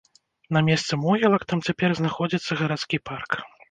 На месцы могілак там цяпер знаходзіцца гарадскі парк.